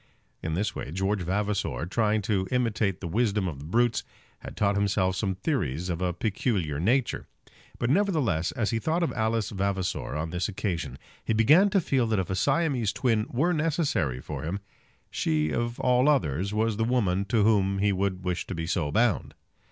In this way George Vavasor, trying to imitate the wisdom of the brutes, had taught himself some theories of a peculiar nature. But, nevertheless, as he thought of Alice Vavasor on this occasion, he began to feel that if a Siamese twin were necessary for him, she of all others was the woman to whom he would wish to be so bound.